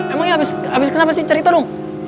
emangnya habis kenapa sih cerita dong